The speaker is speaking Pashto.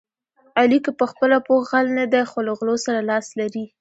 علي که په خپله پوخ غل نه دی، خو له غلو سره لاس لري.